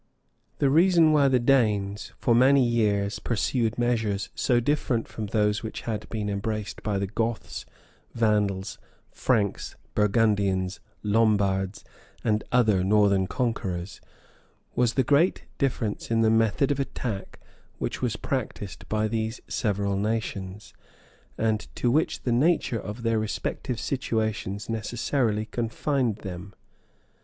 ] The reason why the Danes, for many years, pursued measures so different from those which had been embraced by the Goths, Vandals, Franks, Burgundians, Lombards, and other northern conquerors, was the great difference in the method of attack which was practised by these several nations, and to which the nature of their respective situations necessarily confined them.